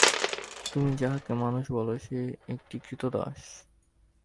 তুমি যাহাকে মানুষ বল, সে একটি ক্রীতদাস।